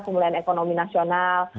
kemulian ekonomi nasional